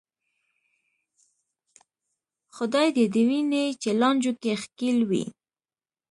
خدای دې دې ویني چې لانجو کې ښکېل وې.